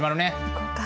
行こうか。